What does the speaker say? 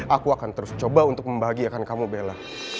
aku akan terus coba untuk membahagiakan kamu bela